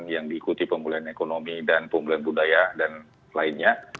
yang diikuti pemulihan ekonomi dan pemulihan budaya dan lainnya